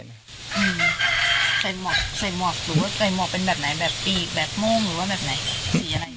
ใส่หมวกหรือเป็นแบบไหนแบบบีบแบบม่วงหรือแบบไหน